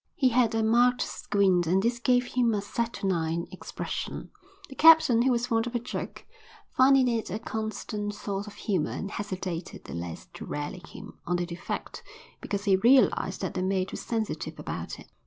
He had a marked squint and this gave him a saturnine expression. The captain, who was fond of a joke, found in it a constant source of humour and hesitated the less to rally him on the defect because he realised that the mate was sensitive about it.